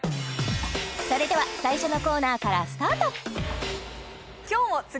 それでは最初のコーナーからスタート